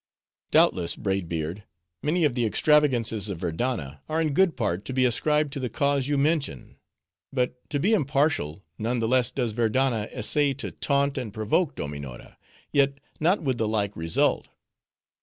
"Doubtless, Braid Beard, many of the extravagances of Verdanna, are in good part to be ascribed to the cause you mention; but, to be impartial, none the less does Verdanna essay to taunt and provoke Dominora; yet not with the like result.